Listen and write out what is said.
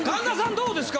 どうですか？